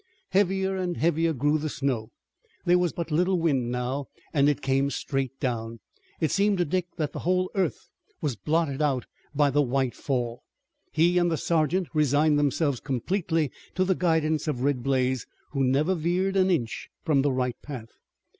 Heavier and heavier grew the snow. There was but little wind now, and it came straight down. It seemed to Dick that the whole earth was blotted out by the white fall. He and the sergeant resigned themselves completely to the guidance of Red Blaze, who never veered an inch from the right path.